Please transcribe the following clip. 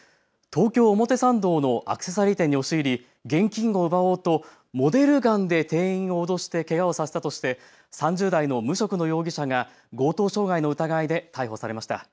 東京表参道のアクセサリー店に押し入り、現金を奪おうとモデルガンで店員を脅してけがをさせたとして３０代の無職の容疑者が強盗傷害の疑いで逮捕されました。